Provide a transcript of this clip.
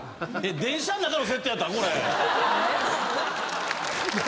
電車の中の設定やったん⁉何？